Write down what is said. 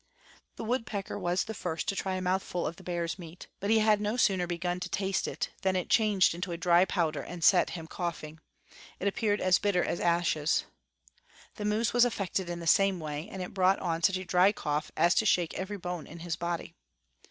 The woodpecker was the first to try a mouthful of the bear's meat, but he had no sooner begun to taste it than it changed into a dry powder and set him coughing. It appeared as bitter as ashes. The moose was affected in the same way, and it brought on such a dry cough as to shake every bone in his body.